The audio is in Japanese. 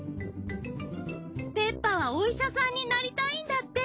ペッパはおいしゃさんになりたいんだって。